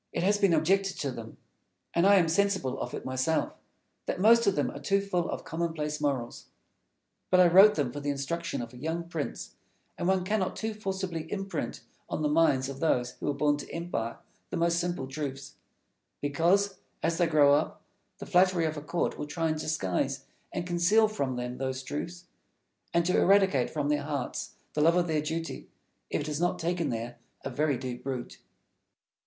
It has been objected to them and I am sensible of it myself that most of them are too full of commonplace morals. But I wrote them for the instruction of a young prince, and one cannot too forcibly imprint on the minds of those who are born to empire the most simple truths; because, as they grow up, the flattery of a court will try to disguise and conceal from them those truths, and to eradicate from their hearts the love of their duty, if it has not taken there a very deep root.